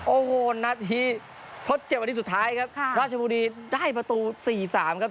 โอ้โหนาทีทดเจ็บนาทีสุดท้ายครับราชบุรีได้ประตู๔๓ครับ